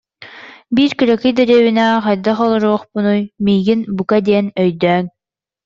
Биир кыракый дэриэбинэҕэ хайдах олоруохпунуй, миигин, бука диэн, өйдөөҥ